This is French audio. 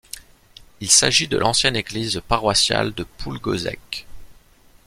Il s'agit de l'ancienne église paroissiale de Poulgoazec.